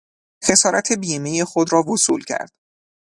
خسارت بیمهی خود را وصول کرد.